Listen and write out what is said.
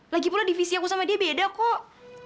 lagipula divisi aku sama dia beda kok